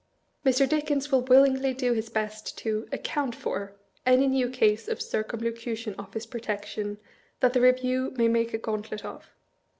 Mr. Dickens will willingly do his best to " account for" any new case of Circumlocution Office protection that the Review may make a gauntlet of.